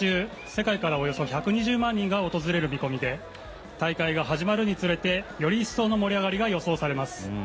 世界からおよそ１２０万人が訪れる見込みで大会が始まるにつれてより一層の盛り上がりが予想されます。